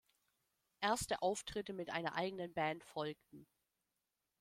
Erste Auftritte mit einer eigenen Band folgten.